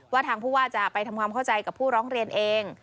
ทางผู้ว่าจะไปทำความเข้าใจกับผู้ร้องเรียนเอง